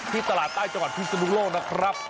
ที่ตลาดใต้จังหวัดพริษบริษบูรชานะครับ